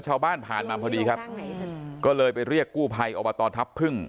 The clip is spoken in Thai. ผ่านมาพอดีครับก็เลยไปเรียกกู้ภัยอบตทัพพึ่ง